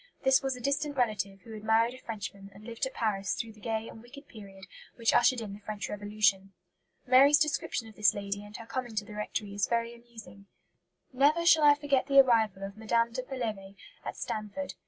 This was a distant relative who had married a Frenchman and lived at Paris through the gay and wicked period which ushered in the French Revolution. Mary's description of this lady and her coming to the rectory is very amusing: "Never shall I forget the arrival of Mme. de Pelevé at Stanford.